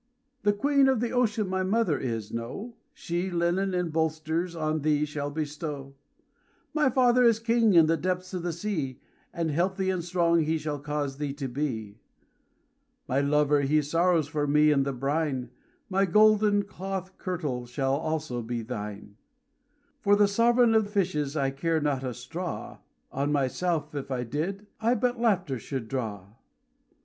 "The Queen of the ocean my mother is, know, She linen and bolsters on thee shall bestow. "My father is King in the depths of the sea, And healthy and strong he shall cause thee to be. "My lover he sorrows for me in the brine, My golden cloth kirtle shall also be thine." "For the sovereign of fishes I care not a straw, On myself, if I did, I but laughter should draw.